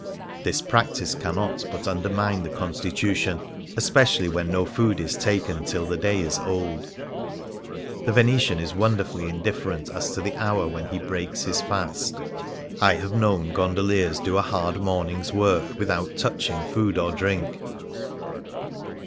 This practice cannot but undermine the constitution, especially when no food is taken till the day is old. The Venetian is wonderfully indifferent as to the hour when he breaks his fast. I have known 149 Things Seen in Venice gondoliers do a hard morning's work without touching food or drink.